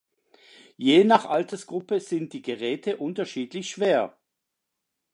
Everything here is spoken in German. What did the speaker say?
Je nach Altersgruppe sind die Geräte unterschiedlich schwer.